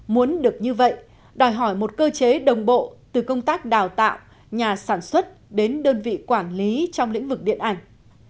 muốn được như vậy đòi hỏi một cơ chế đồng bộ từ công tác đào tạo nhà sản xuất đến đơn vị quản lý trong lĩnh vực điện ảnh